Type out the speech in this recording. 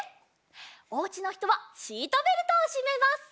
おうちのひとはシートベルトをしめます。